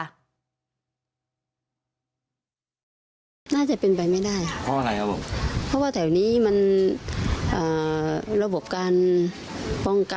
เราได้ข้อมูลจากเจ้าหน้าที่จังหวัดสตูนนะคะ